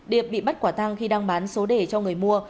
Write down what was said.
điệp bị bắt quả tăng khi đang bán số đề cho người mua